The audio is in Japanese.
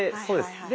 そうです。